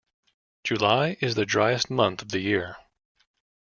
July is the driest month of the year.